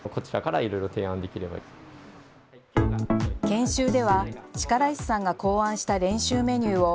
研修では力石さんが考案した練習メニューを